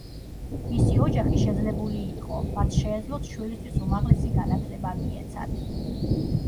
მისი ოჯახი შეძლებული იყო, მათ შეეძლოთ შვილისთვის უმაღლესი განათლება მიეცათ.